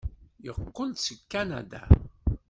Yeqqel-d seg Kanada.